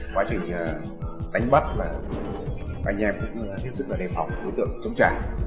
quá trình đánh bắt là anh em cũng thiết dựng để đề phòng đối tượng chống trả